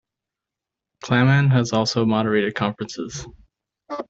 Claman has also moderated conferences.